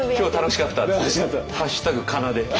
「＃かな」で。